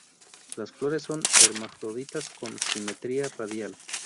Las flores son hermafroditas con simetría radial.